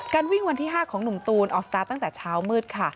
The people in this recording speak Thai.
วิ่งวันที่๕ของหนุ่มตูนออกสตาร์ทตั้งแต่เช้ามืดค่ะ